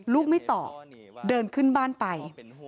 ลูกไม่ตอบเดินขึ้นบ้านไป